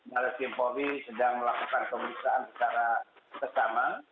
mabes polri sedang melakukan pemeriksaan secara sesama